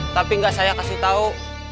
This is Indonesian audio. tapi enggak saya kasih tahu